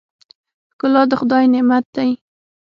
ښکلا د خدای نعمت دی.